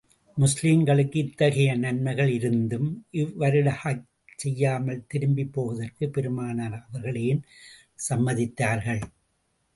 முஸ்லிம்களுக்கு இத்தகைய நன்மைகள் இருந்தும், இவ்வருடம் ஹஜ் செய்யாமல் திரும்பிப் போவதற்குப் பெருமானார் அவர்கள் ஏன் சம்மதித்தார்கள்?